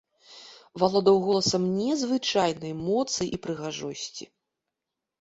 Валодаў голасам незвычайнай моцы і прыгажосці.